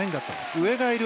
上がいる。